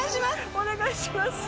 お願いします。